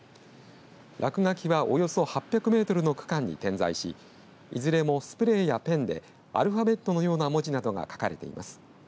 落書きはおよそ８００メートルの区間に点在しいずれもスプレーやペンでアルファベットのような文字などが書かれています。